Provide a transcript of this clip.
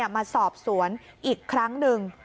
มาสอบสวนอีกครั้งหนึ่ง